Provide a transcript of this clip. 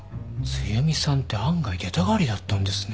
梅雨美さんって案外出たがりだったんですね。